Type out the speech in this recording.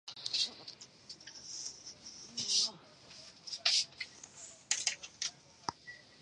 In clinics that enable sex preferences, daughters are usually preferred over sons.